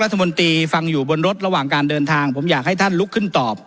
รัฐมนตรีฟังอยู่บนรถระหว่างการเดินทางผมอยากให้ท่านลุกขึ้นตอบ